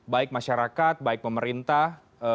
baik masyarakat baik pemerintah